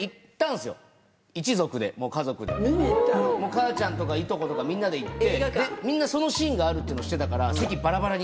母ちゃんとかいとことかみんなで行ってみんなそのシーンがあるのを知ってたから。